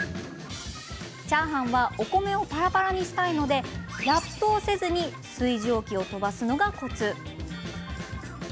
チャーハンはお米をパラパラにしたいのでラップをせずに水蒸気を飛ばすのがコツ。